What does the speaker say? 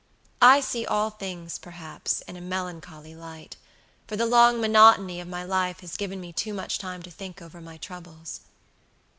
I see all things, perhaps, in a melancholy light; for the long monotony of my life has given me too much time to think over my troubles."